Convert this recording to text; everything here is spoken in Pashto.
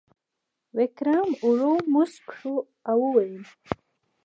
ویکرم ورو موسک شو او وویل: